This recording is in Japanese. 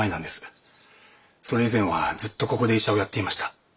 それ以前はずっとここで医者をやっていました。